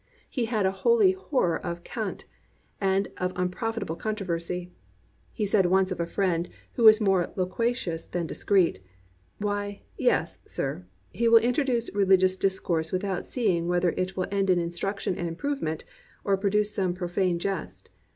He had a holy horror of cant, and of unprofitable contro versy. He once said of a friend who was more lo quacious than discreet, "Why, yes, sir; he will introduce religious discourse without seeing whether it will end in instruction and improvement, or pro duce some profane jest.